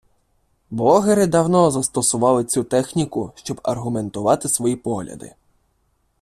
Блогери давно застосовували цю техніку, щоб аргументувати свої погляди.